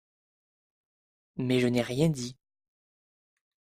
Mais je n’ai rien dit